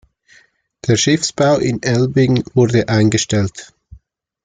Der Schiffbau in Elbing wurde eingestellt.